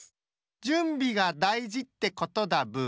じゅんびがだいじってことだブー。